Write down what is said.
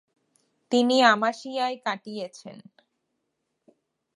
তিনি আমাসিয়ায় কাটিয়েছেন।